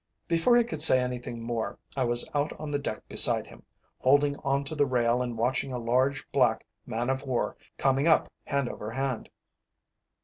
Before he could say anything more I was out on the deck beside him, holding on to the rail and watching a large black man of war coming up hand over hand.